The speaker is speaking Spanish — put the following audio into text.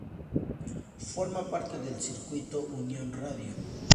Forma parte del Circuito Unión Radio.